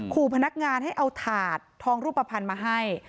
ขู่พนักงานให้เอาถาดทองรูปภัณฑ์มาให้